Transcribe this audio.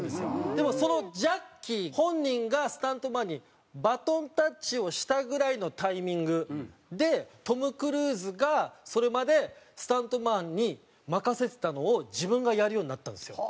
でもそのジャッキー本人がスタントマンにバトンタッチをしたぐらいのタイミングでトム・クルーズがそれまでスタントマンに任せてたのを自分がやるようになったんですよ。